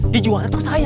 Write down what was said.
dijualnya tuh saya